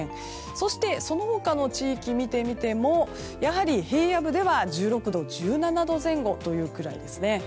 そして、その他の地域を見てみても平野部では１６度、１７度前後というくらいです。